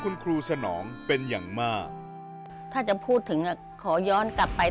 คุณครูสนองเป็นอย่างมากถ้าจะพูดถึงอ่ะขอย้อนกลับไป